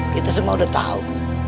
kita semua udah tahu